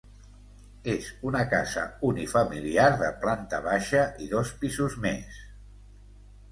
És una casa unifamiliar de planta baixa i dos pisos més.